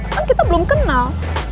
kan kita belum kenal